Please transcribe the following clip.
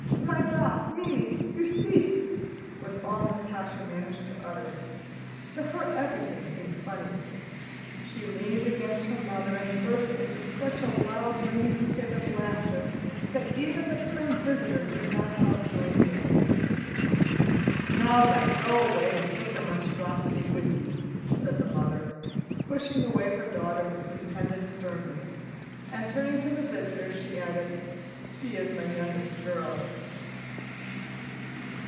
My doll... Mimi... You see..." was all Natásha managed to utter (to her everything seemed funny). She leaned against her mother and burst into such a loud, ringing fit of laughter that even the prim visitor could not help joining in. "Now then, go away and take your monstrosity with you," said the mother, pushing away her daughter with pretended sternness, and turning to the visitor she added: "She is my youngest girl."